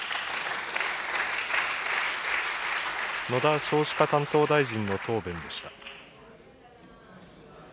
野田少子化担当大臣の答弁でした。